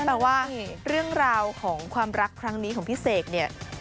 แปลว่าเรื่องราวของความรักครั้งนี้ของพี่เสกเนี่ย